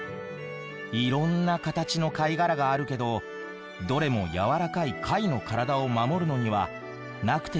いろんな形の貝殻があるけどどれも軟らかい貝の体を守るのにはなくてはならないものなんだよ。